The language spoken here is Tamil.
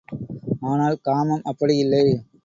ஆனால், காமம் அப்படியில்லை.